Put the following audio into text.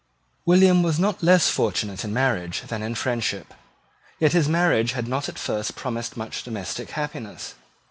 William was not less fortunate in marriage than in friendship. Yet his marriage had not at first promised much domestic happiness.